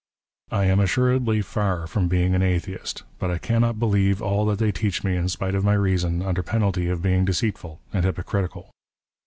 " I am assuredly fiir from being an Atheist ; but I cannot " believe all that they teach me in spite of my reason, under " penalty of being deceitful and hypocritical.